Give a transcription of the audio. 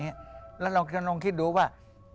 อากาศหนาวอากาศเย็นแล้วเราต้องคิดดูว่า